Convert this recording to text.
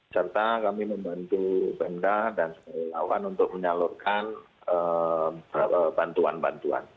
serta kami membantu benda dan semua lawan untuk menyalurkan bantuan bantuan